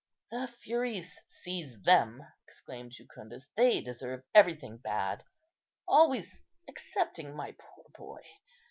"The Furies seize them!" exclaimed Jucundus: "they deserve everything bad, always excepting my poor boy.